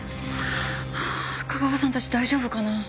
ああ架川さんたち大丈夫かな？